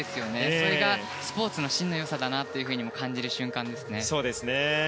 それがスポーツの真の良さだなと感じる瞬間ですね。